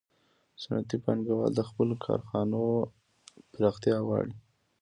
صنعتي پانګوال د خپلو کارخانو پراختیا غواړي